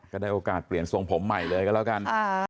ได้โอกาสเปลี่ยนทรงผมใหม่เลยก็แล้วกัน